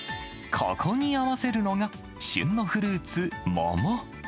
ここに合わせるのが、旬のフルーツ、桃。